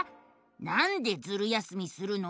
「なんでズル休みするの？